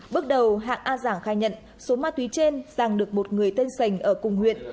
bước đầu hạng a giàng khai nhận số ma túy trên giang được một người tên sành ở cùng huyện